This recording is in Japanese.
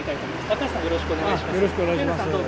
高橋さん、よろしくお願いいお願いします。